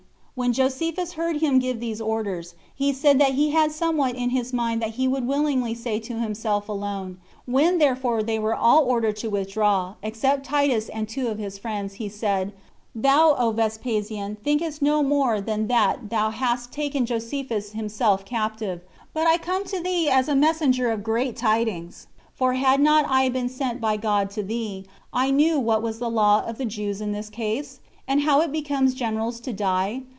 When Josephus heard him give those orders, he said that he had somewhat in his mind that he would willingly say to himself alone. When therefore they were all ordered to withdraw, excepting Titus and two of their friends, he said, "Thou, O Vespasian, thinkest no more than that thou hast taken Josephus himself captive; but I come to thee as a messenger of greater tidings; for had not I been sent by God to thee, I knew what was the law of the Jews in this case? and how it becomes generals to die.